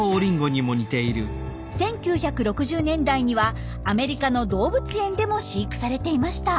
１９６０年代にはアメリカの動物園でも飼育されていました。